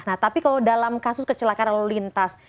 nah tapi kalau dalam kasus kecelakaan lalu lintas